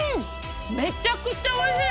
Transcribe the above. めっちゃくちゃおいしい。